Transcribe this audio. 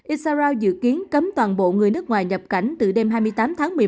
isarau dự kiến cấm toàn bộ người nước ngoài nhập cảnh từ đêm hai mươi tám tháng một mươi một